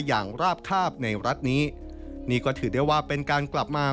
อย่างราบคาบในรัฐนี้นี่ก็ถือได้ว่าเป็นการกลับมา